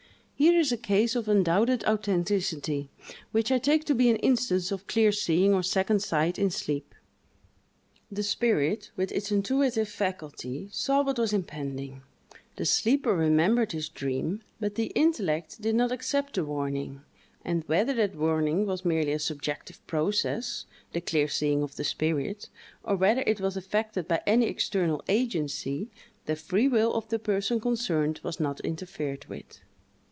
Here is a case of undoubted authenticity, which I take to be an instance of clear seeing, or second sight, in sleep. The spirit, with its intuitive faculty, saw what was impending; the sleeper remembered his dream, but the intellect did not accept the warning; and, whether that warning was merely a subjective process—the clear seeing of the spirit—or whether it was effected by any external agency, the free will of the person concerned was not interfered with.